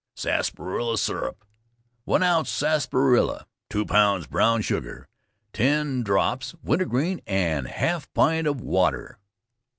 SARSAPARILLA SYRUP. One ounce Sarsaparilla, two pounds brown sugar, ten drops wintergreen, and half pint of water.